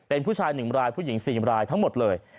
เป็นผู้ชาย๑อำราษฎร์ผู้หญิง๔อำราษฎร์ทั้งหมดเลย